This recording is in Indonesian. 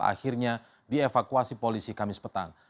akhirnya dievakuasi polisi kamis petang